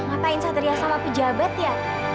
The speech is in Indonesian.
ngapain satria sama pejabat ya